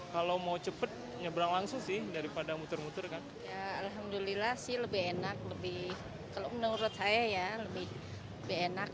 kalau mau cepet nyebrang langsung sih daripada muter muter lebih lebih lebih lebih enak